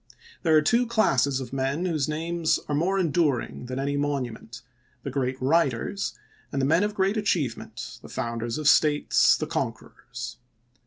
There are two classes of men whose names are more enduring than any monument — the great writers; and the men of great achievement, the founders of states, the conquerors.